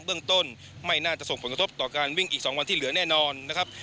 เรื่องต้นไม่น่าจะส่งผลกระทบต่อการวิ่งอีก๒วันที่เหลือแน่นอนนะครับ